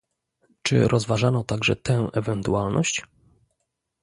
Czy rozważano także tę ewentualność?